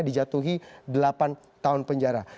dijatuhi delapan tahun penjara